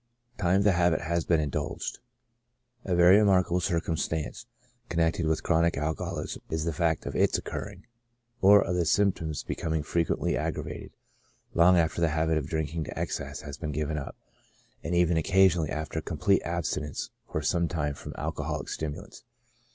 Time the habit has been indulged. — A very remarkable circumstance connected with chronic alcoholism is the fact of its occurring, or of the symptoms becoming frequently aggravated, long after the habit of drinking to excess has been given up, and even occasionally after a complete absti nence for some time from alcoholic stimulants.